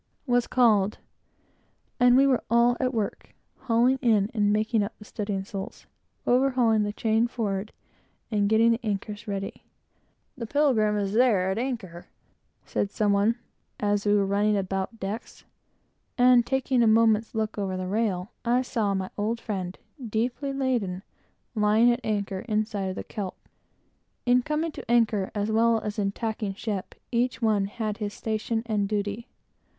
was called; and we were all at work, hauling in and making up the studding sails, overhauling the chain forward, and getting the anchors ready. "The Pilgrim is there at anchor," said some one, as we were running about decks; and taking a moment's look over the rail, I saw my old friend, deeply laden, lying at anchor inside of the kelp. In coming to anchor, as well as in tacking, each one had his station and duty.